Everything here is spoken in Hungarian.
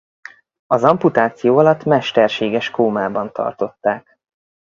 Az amputáció alatt mesterséges kómában tartották.